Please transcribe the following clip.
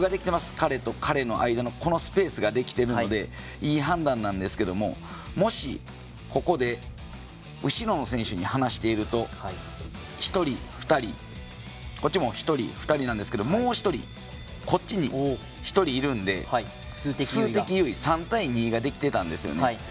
彼と彼の間のこのスペースができているのでいい判断なんですけどもし、ここで後ろの選手にはなしていると１人、２人なんですがもう１人、こっちに１人いるんで数的優位３対２ができていたんですよね。